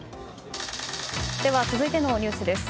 続いてのニュースです。